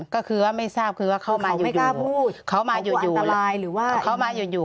ก็คือว่าไม่ทราบคือว่าเข้ามาไม่กล้าพูดเขามาหยุดอยู่ไลน์หรือว่าเขามาหยุดอยู่